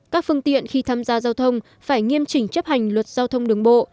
các phương tiện khi tham gia giao thông phải nghiêm chỉnh chấp hành luật giao thông đường bộ